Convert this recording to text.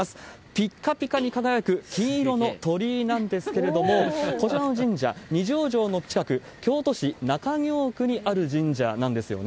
ぴっかぴかに輝く金色の鳥居なんですけれども、こちらの神社、二条城の近く、京都市中京区にある神社なんですよね。